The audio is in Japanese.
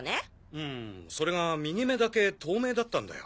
うんそれが右目だけ透明だったんだよ。